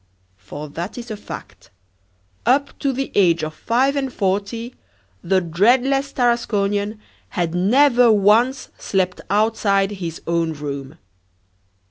For that is a fact: up to the age of five and forty, the dreadless Tarasconian had never once slept outside his own room.